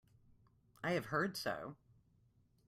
I have heard so.